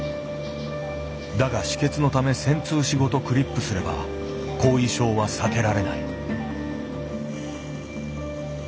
だが止血のため穿通枝ごとクリップすれば後遺症は避けられない。